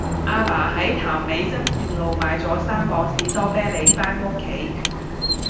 亞爸喺潭尾真善路買左三磅士多啤梨返屋企